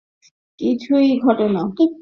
কিছুই ঘটে না।